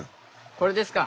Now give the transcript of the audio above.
これですか！